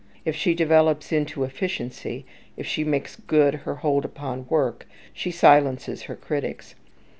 If she develops into efficiency, if she makes good her hold upon work, she silences her critics.